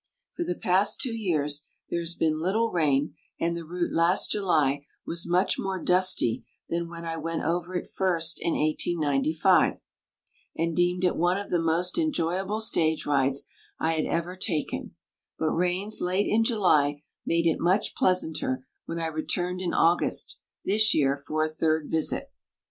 For the past two years there has been little rain and the route last July was much more dusty than when I went over it first in 1895, and deemed it one of the most enjoyable stage rides I had ever taken; but rains late in July made it much pleasanter when I returned in August, this year, for a third visit.